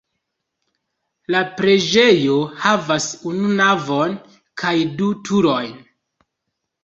La preĝejo havas unu navon kaj du turojn.